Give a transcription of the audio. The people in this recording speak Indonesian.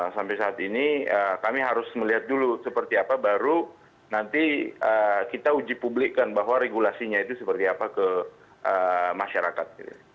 sampai saat ini kami harus melihat dulu seperti apa baru nanti kita uji publikkan bahwa regulasinya itu seperti apa ke masyarakat